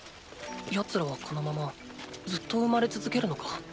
奴らはこのままずっと生まれ続けるのか？